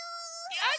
よし！